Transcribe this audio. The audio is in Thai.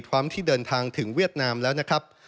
ที่เดินทางถึงเวียดนามแล้วนะครับ